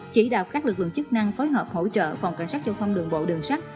chỉ đạo các lực lượng chức năng phối hợp hỗ trợ phòng cảnh sát giao thông đường bộ đường sắt